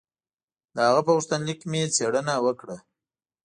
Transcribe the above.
د هغه په غوښتنلیک مې څېړنه وکړه.